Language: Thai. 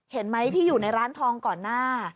เห็นไหมที่อยู่ในร้านทองก่อนหน้า